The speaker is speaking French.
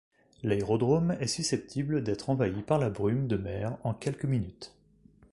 L'aérodrome est susceptible d'être envahi par la brume de mer en quelques minutes.